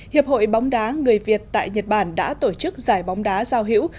hiệp hội bóng đá người việt tại nhật bản đã tổ chức giải bóng đá giao hữu